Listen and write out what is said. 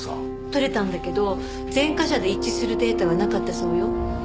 採れたんだけど前科者で一致するデータはなかったそうよ。